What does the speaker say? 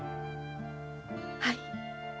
はい。